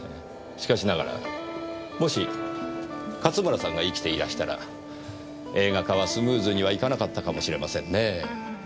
しかしながらもし勝村さんが生きていらしたら映画化はスムーズにはいかなかったかもしれませんねぇ。